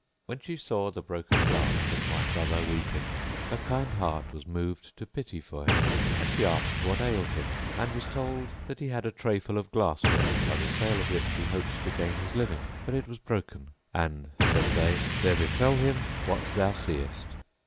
When she saw the broken glass and my brother weeping, her kind heart was moved to pity for him, and she asked what ailed him and was told that he had a tray full of glass ware by the sale of which he hoped to gain his living, but it was broken, and (said they), "there befell him what thou seest."